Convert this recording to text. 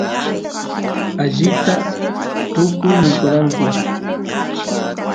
allita tukuy mikoranku